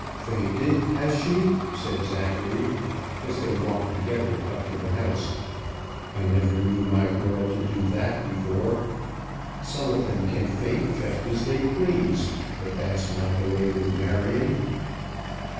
"Fainted, has she?" said Zachary, as they walked together up to the house. "I never knew my girl do that before. Some of them can faint just as they please; but that's not the way with Marion."